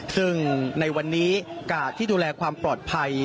ซึ่งในวันนี้กาดที่ดูแลความปลอดภัย